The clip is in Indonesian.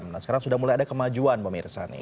nah sekarang sudah mulai ada kemajuan pemirsa nih